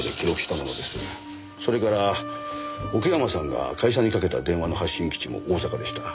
それから奥山さんが会社にかけた電話の発信基地も大阪でした。